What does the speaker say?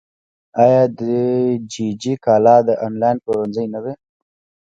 آیا دیجیجی کالا د انلاین پلورنځی نه دی؟